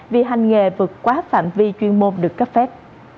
vì hành nghề vượt quá phạm vi chuyên môn được cấp phép